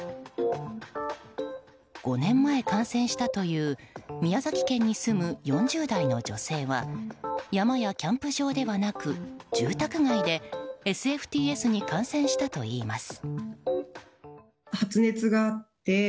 ５年前感染したという宮崎県に住む４０代の女性は山やキャンプ場ではなく住宅街でＳＦＴＳに感染したといいます。